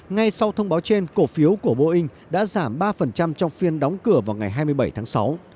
ngay sau thông báo trên cổ phiếu của boeing đã giảm ba trong phiên đóng cửa vào ngày hai mươi bảy tháng sáu